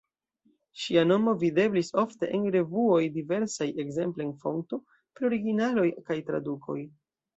Ŝia nomo videblis ofte en revuoj diversaj, ekzemple en Fonto, per originaloj kaj tradukoj.